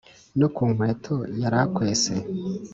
no ku nkweto yari akwese